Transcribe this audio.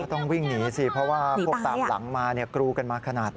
ต้องวิ่งหนีสิเพราะว่าพวกตามหลังมากรูกันมาขนาดไหน